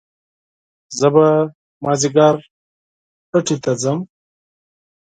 زه به مازيګر پټي ته ځم